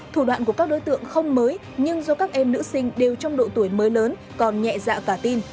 thủ đoạn của các đối tượng không mới nhưng do các em nữ sinh đều trong độ tuổi mới lớn còn nhẹ dạ cả tin